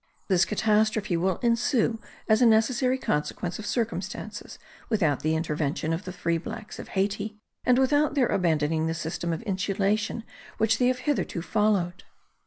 This catastrophe will ensue as a necessary consequence of circumstances, without the intervention of the free blacks of Hayti, and without their abandoning the system of insulation which they have hitherto followed.